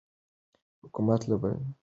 حکومت له بهرنیو پورونو ځان ژغوري.